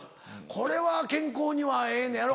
これは健康にはええのやろ？